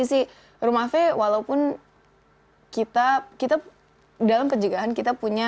anda lihat rumah faye walaupun kita dalam perjegahan kita punya